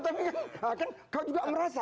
tapi kan kau juga merasa